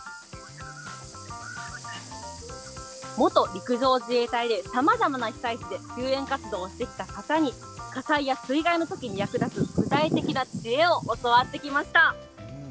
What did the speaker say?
元陸上自衛隊でさまざまな被災地で救援活動をしてきた方に、火災や水害のときに役立つ具体的な知恵を教わってきました。